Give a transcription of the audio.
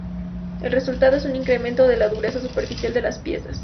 El resultado es un incremento de la dureza superficial de las piezas.